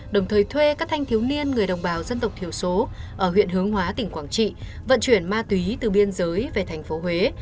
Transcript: đồng thời thuê các thanh thiếu niên người đồng bào dân tộc thiểu số ở huyện hướng hóa tỉnh quảng trị vận chuyển ma túy từ biên giới về tp huế